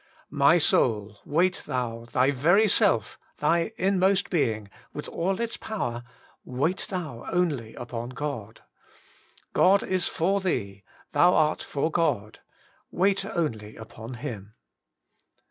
My soul, wait thou, thy very self, thy inmost being, with all its power, * wait thou only upon God.' God is for thee, thou art for God ; wait only upon Him.